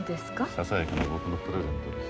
ささやかな僕のプレゼントです。